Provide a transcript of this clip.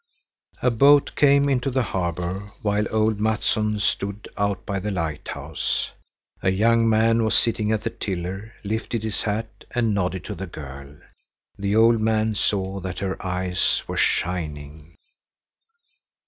A boat came into the harbor while old Mattsson stood out by the lighthouse. A young man sitting at the tiller lifted his hat and nodded to the girl. The old man saw that her eyes were shining.